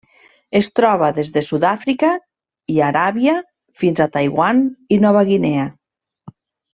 Es troba des de Sud-àfrica i Aràbia fins a Taiwan i Nova Guinea.